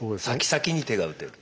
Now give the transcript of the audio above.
先先に手が打てる。